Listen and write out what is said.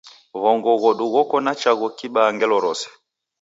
W'ongo ghodu ghoko na chaghu klibaa ngelo rose.